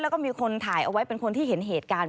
แล้วก็มีคนถ่ายเอาไว้เป็นคนที่เห็นเหตุการณ์